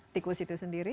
tikus itu sendiri